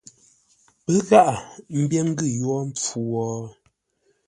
Pə́ gháʼa mbyér ngʉ̂ yórə́ mpfu wo ?